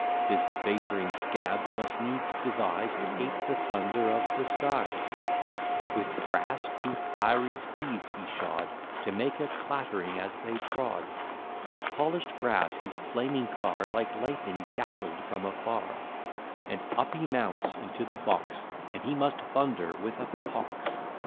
This vapouring scab must needs devise To ape the thunder of the skies: With brass two fiery steeds he shod, To make a clattering as they trod, Of polish'd brass his flaming car Like lightning dazzled from afar; And up he mounts into the box, And he must thunder, with a pox.